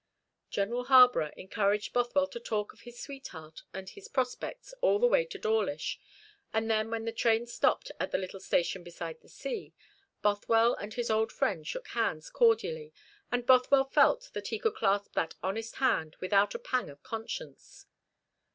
General Harborough encouraged Bothwell to talk of his sweetheart and his prospects all the way to Dawlish; and then, when the train stopped at the little station beside the sea, Bothwell and his old friend shook hands cordially; and Bothwell felt that he could clasp that honest hand without a pang of conscience.